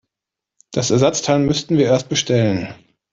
Das Ersatzteil müssten wir erst bestellen.